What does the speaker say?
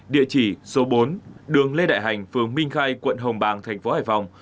địa chỉ số bốn đường lê đại hành phường minh khai quận hồng bàng thành phố hải phòng